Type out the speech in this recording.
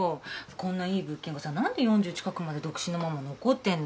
こんないい物件がさ何で４０近くまで独身のまんま残ってんの？